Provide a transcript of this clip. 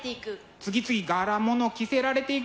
次々柄物着せられていく。